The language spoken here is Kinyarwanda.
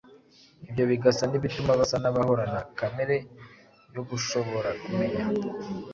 ibyo bigasa n’ibituma basa n’abahorana kamere yo gushobora kumenya